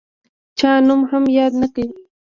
چا نوم هم یاد نه کړ.